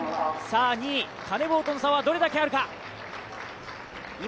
２位、カネボウとの差はどれだけあるか。